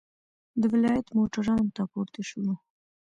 د ولایت موټرانو ته پورته شولو.